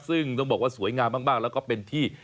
ซึ่งต้องบอกว่าสวยงามมากแล้วก็เป็นที่